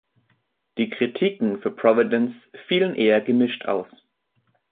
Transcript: Die Kritiken für Providence fielen eher gemischt aus.